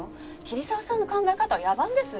桐沢さんの考え方は野蛮です。